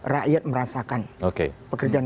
rakyat merasakan pekerjaan